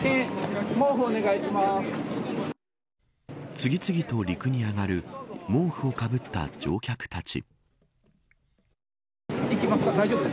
次々と陸に揚がる毛布をかぶった乗客たち。